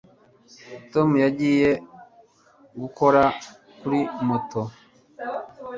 Tom yagiye gukora kuri moto